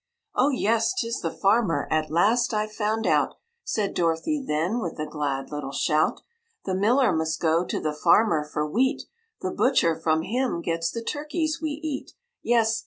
"Oh, yes! 'tis the farmer; at last I've found out," Said Dorothy, then, with a glad little shout. "The miller must go to the farmer for wheat, The butcher from him gets the turkeys we eat; Yes!